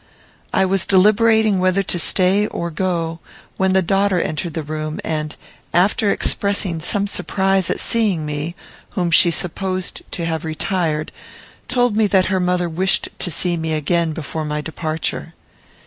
I was deliberating whether to stay or go, when the daughter entered the room, and, after expressing some surprise at seeing me, whom she supposed to have retired, told me that her mother wished to see me again before my departure.